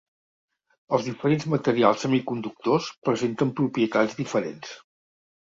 Els diferents materials semiconductors presenten propietats diferents